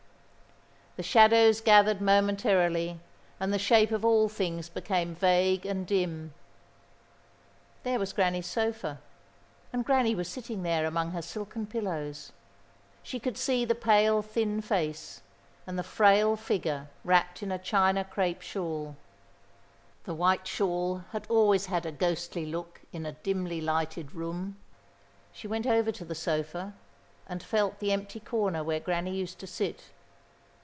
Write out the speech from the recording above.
The shadows gathered momentarily and the shapes of all things became vague and dim. There was Granny's sofa, and Granny was sitting there among her silken pillows. She could see the pale, thin face, and the frail figure wrapped in a China crape shawl. The white shawl had always had a ghostly look in a dimly lighted room. She went over to the sofa and felt the empty corner where Granny used to sit.